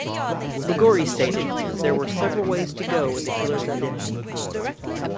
Ligouri stated there were several ways to go with the killer's identity.